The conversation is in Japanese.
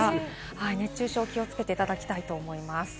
熱中症に気を付けていただきたいと思います。